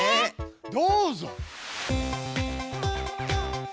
どうぞ！